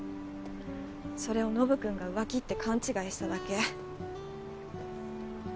それをノブ君が浮気って勘違いしただけ。